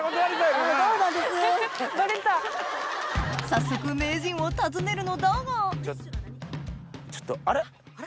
早速名人を訪ねるのだがちょっと。